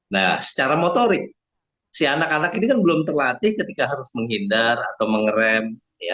nah secara motorik si anak anak ini kan belum terlatih ketika harus menghindar atau mengerem